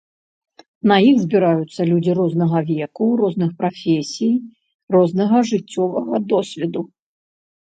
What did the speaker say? На іх збіраюцца людзі рознага веку, розных прафесій, рознага жыццёвага досведу.